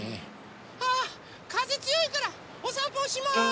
あかぜつよいからおさんぽおしまい！